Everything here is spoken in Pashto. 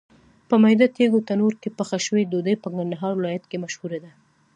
په میده تېږو تنور کې پخه شوې ډوډۍ په کندهار ولایت کې مشهوره ده.